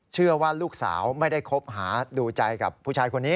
เชื่อว่าลูกสาวไม่ได้คบหาดูใจกับผู้ชายคนนี้